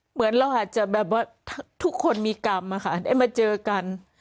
เหมือนเราอาจจะแบบว่าทุกคนมีกรรมอะค่ะได้มาเจอกัน